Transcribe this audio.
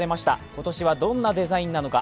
今年はどんなデザインなのか。